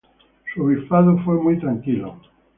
Su obispado fue muy tranquilo.